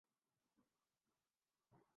غیر متعلق افراد کے ہاتھوں میں آجاتے ہیں